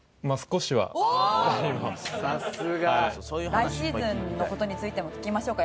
さすが！来シーズンの事についても聞きましょうか。